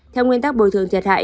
theo nguyên tắc bồi thường thiệt hại